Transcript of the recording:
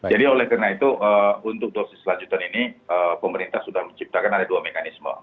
jadi oleh karena itu untuk dosis selanjutan ini pemerintah sudah menciptakan ada dua mekanisme